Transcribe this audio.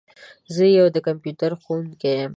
زه یو د کمپیوټر ښوونکي یم.